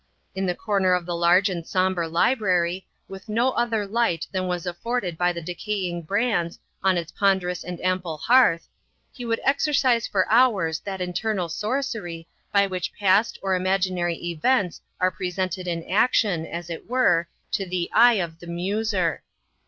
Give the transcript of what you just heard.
In the corner of the large and sombre library, with no other light than was afforded by the decaying brands on its ponderous and ample hearth, he would exercise for hours that internal sorcery by which past or imaginary events are presented in action, as it were, to the eye of the muser.